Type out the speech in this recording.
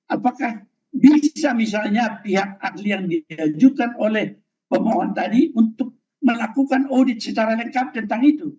apakah bisa misalnya pihak ahli yang diajukan oleh pemohon tadi untuk melakukan audit secara lengkap tentang itu